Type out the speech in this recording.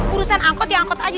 urusan angkot ya angkot aja